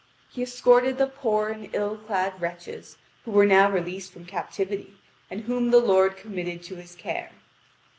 He escorted the poor and ill clad wretches, who were now released from captivity, and whom the lord committed to his care.